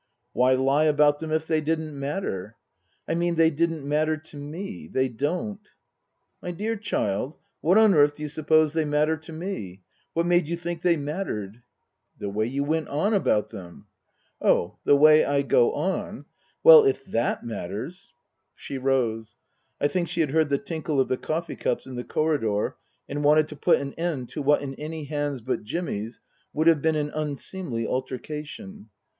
" Why lie about them if they didn't matter ?"" I mean they didn't matter to me. They don't." " My dear child, what on earth do you suppose they matter to me ? What made you think they mattered ?"" The way you went on about them." " Oh the way I go on Well, if that matters " She rose. I think she had heard the tinkle of the coffee cups in the corridor and wanted to put an end to what in any hands but Jimmy's would have been an unseemly alter cation.